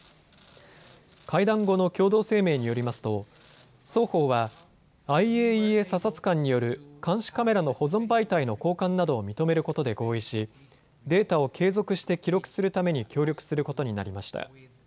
会談後の共同声明によりますと双方はＩＡＥＡ査察官による監視カメラの保存媒体の交換などを認めることで合意しデータを継続して記録するために協力することになりました。